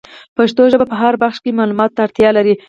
پښتو ژبه په هر بخش کي معلوماتو ته اړتیا لري.